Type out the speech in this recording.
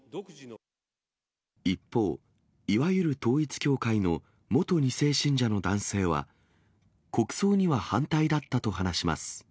一方、いわゆる統一教会の元２世信者の男性は、国葬には反対だったと話します。